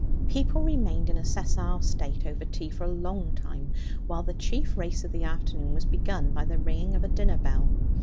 People remained in a sessile state over tea for a long time while the chief race of the afternoon was begun by the ringing of a dinner bell.